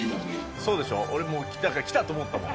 そうでしょう、俺もう、だからきたっと思ったもん。